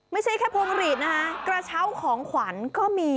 ไม่ใช่แค่พวงหลีดนะคะกระเช้าของขวัญก็มี